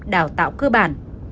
đào tạo cơ bản